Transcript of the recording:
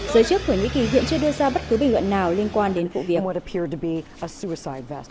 giới chức của nhi kỳ hiện chưa đưa ra bất cứ bình luận nào liên quan đến vụ việc